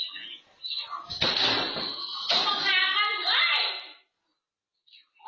แล้ว